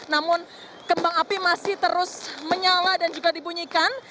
namun kembang api masih terus menyala dan juga dibunyikan